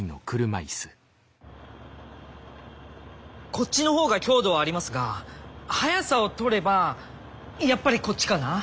こっちのほうが強度はありますが速さを取ればやっぱりこっちかなぁ。